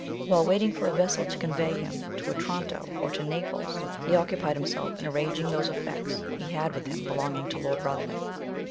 While waiting for a vessel to convey him to Otranto, or to Naples, he occupied himself in arranging those effects he had with him belonging to Lord Ruthven.